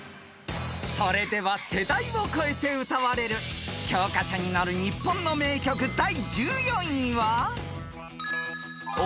［それでは世代を超えて歌われる教科書に載る日本の名曲第１４位は］